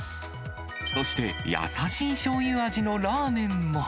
そして、優しいしょうゆ味のラーメンも。